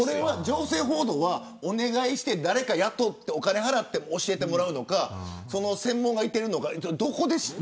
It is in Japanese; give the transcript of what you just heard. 情勢報道はお願いして誰か雇ってお金を払って教えてもらうのか専門がいてるのか、どこで。